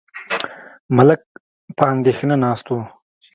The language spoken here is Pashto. ملک په اندېښنه ناست و.